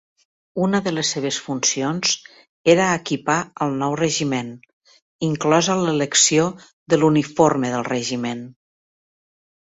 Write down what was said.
Una de les seves funcions era equipar el nou regiment, inclosa l'elecció de l'uniforme del regiment.